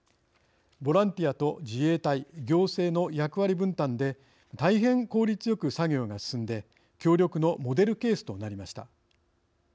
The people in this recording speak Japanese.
ボランティアと自衛隊、行政の役割分担でたいへん効率よく作業が進んで協力のモデルケースとなりました。